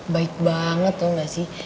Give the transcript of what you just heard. baik banget lo gak sih